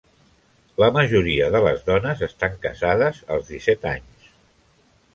La majoria de les dones estan casades als disset anys.